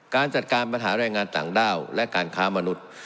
การจัดการปัญหาแรงงานต่างด้าวและการค้ามนุษย์